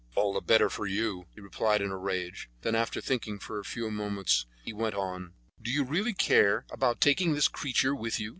"All the better for you," he replied in a rage. Then, after thinking for a few moments, he went on: "Do you really care about taking this creature with you?